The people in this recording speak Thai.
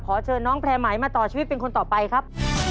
เชิญน้องแพร่ไหมมาต่อชีวิตเป็นคนต่อไปครับ